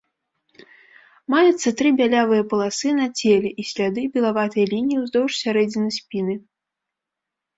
Маецца тры бялявыя паласы на целе, і сляды белаватай лініі ўздоўж сярэдзіны спіны.